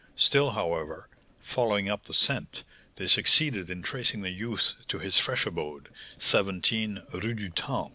Still, however, following up the scent, they succeeded in tracing the youth to his fresh abode, 17 Rue du Temple.